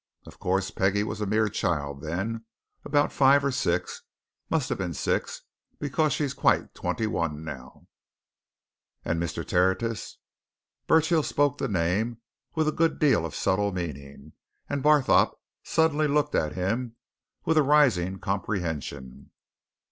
Of course, Peggie was a mere child then about five or six. Must have been six, because she's quite twenty one now." "And Mr. Tertius?" Burchill spoke the name with a good deal of subtle meaning, and Barthorpe suddenly looked at him with a rising comprehension.